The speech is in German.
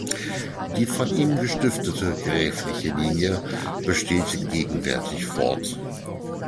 Die von ihm gestiftete gräfliche Linie besteht gegenwärtig fort.